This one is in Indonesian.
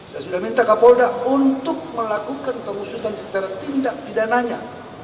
saya sudah minta kapolda untuk melakukan pengusutan secara tindak pidananya